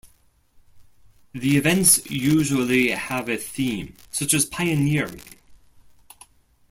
The events usually have a theme, such as pioneering.